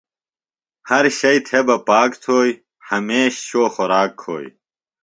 ہر شئیۡ تھےۡ بہ پاک تھوئیۡ۔ ہمیش شوۡ خوراک کھوئیۡ